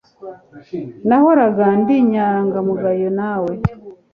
Nahoraga ndi inyangamugayo nawe